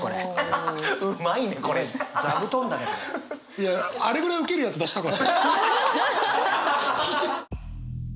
いやあれぐらいウケるやつ出したかった。